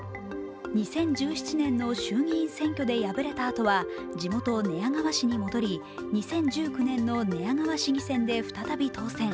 ２０１７年の衆議院選挙で敗れたあとは地元・寝屋川市に戻り２０１９年の寝屋川市議選で再び当選。